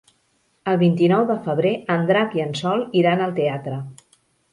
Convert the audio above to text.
El vint-i-nou de febrer en Drac i en Sol iran al teatre.